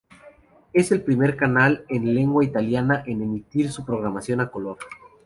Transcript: Es el primer canal en lengua italiana en emitir su programación en color.